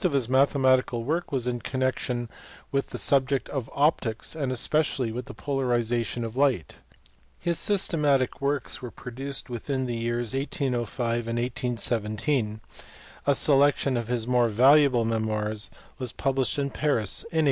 443 mathematical work was in connection with the subject of optics and especially the polarization of light. His systematic works were produced within the years 1805 and 1817: a selection of his more valuable memoirs was published in Paris in 1858.